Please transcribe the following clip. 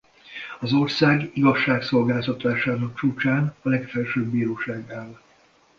Az ország igazságszolgáltatásának csúcsán a legfelsőbb bíróság áll.